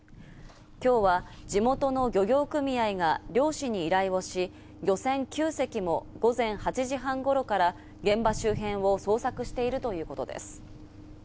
今日は地元の漁業組合が漁師に依頼をし、漁船９隻も午前８時半頃から現場周辺を捜索しているということです。